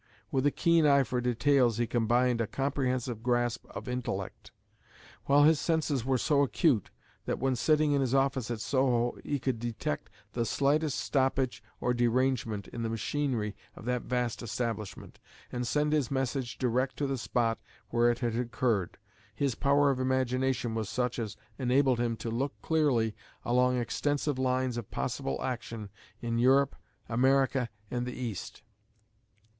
With a keen eye for details, he combined a comprehensive grasp of intellect. While his senses were so acute, that when sitting in his office at Soho he could detect the slightest stoppage or derangement in the machinery of that vast establishment, and send his message direct to the spot where it had occurred, his power of imagination was such as enabled him to look clearly along extensive lines of possible action in Europe, America, and the East.